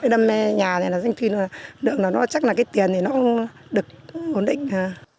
năm nhà này là doanh truyền lượng nó chắc là cái tiền thì nó cũng được ổn định